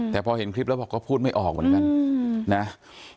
แต่พอเห็นคลิปแล้วบอกก็พูดไม่ออกเหมือนกันนะ